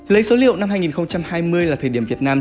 lấy số liệu năm hai nghìn hai mươi là thời điểm việt nam